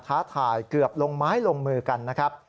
ท้าทายเกือบลงไม้ลงมือกันนะครับ